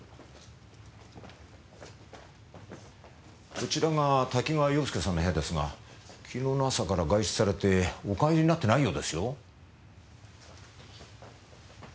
こちらが多岐川洋介さんの部屋ですが昨日の朝から外出されてお帰りになってないようですよ。